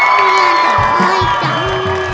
เสียร้ายจัง